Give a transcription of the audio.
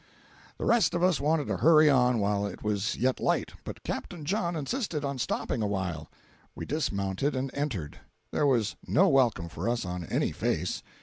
The rest of us wanted to hurry on while it was yet light, but Capt. John insisted on stopping awhile. We dismounted and entered. There was no welcome for us on any face.